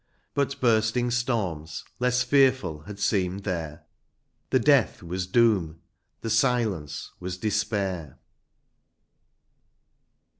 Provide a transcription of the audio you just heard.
But bursting storms, less fearfiil, had seemed there The death was doom, the silence was despair.